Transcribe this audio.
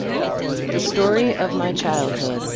THE STORY OF MY CHILDHOOD.